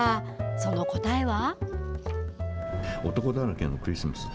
その答えは。